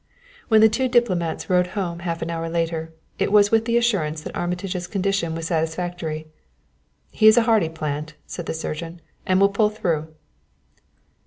When the two diplomats rode home half an hour later, it was with the assurance that Armitage's condition was satisfactory. "He is a hardy plant," said the surgeon, "and will pull through."